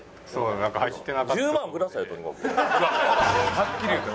はっきり言った。